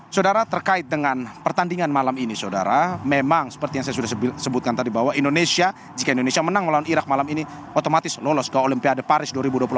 saudara terkait dengan pertandingan malam ini saudara memang seperti yang saya sudah sebutkan tadi bahwa indonesia jika indonesia menang melawan irak malam ini otomatis lolos ke olimpiade paris dua ribu dua puluh empat